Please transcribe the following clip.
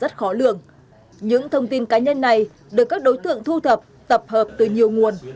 rất khó lường những thông tin cá nhân này được các đối tượng thu thập tập hợp từ nhiều nguồn